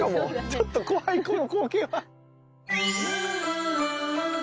ちょっと怖いこの光景は。